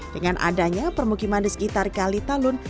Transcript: dengan adanya permukiman di sekitar kali talun